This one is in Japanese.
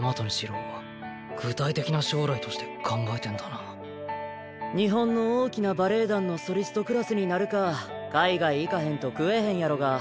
海咲にしろ大和にしろ日本の大きなバレエ団のソリストクラスになるか海外行かへんと食えへんやろが。